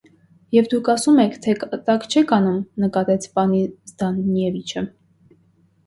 - Եվ դուք ասում եք, թե կատակ չեք անում,- նկատեց պանի Զդանևիչը: